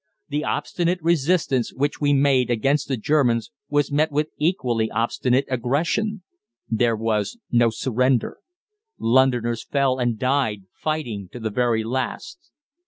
The obstinate resistance which we made against the Germans was met with equally obstinate aggression. There was no surrender. Londoners fell and died fighting to the very last.